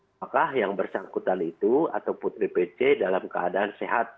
apakah yang bersangkutan itu atau putri pc dalam keadaan sehat